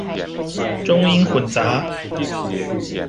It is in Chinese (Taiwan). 中英混雜